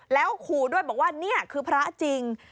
แล้วขู่ด้วยบอกว่านี่คือพระจริง